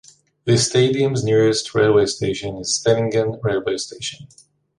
The stadium's nearest railway station is Stellingen railway station.